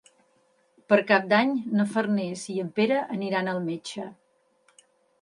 Per Cap d'Any na Farners i en Pere aniran al metge.